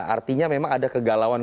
artinya memang ada kegalauan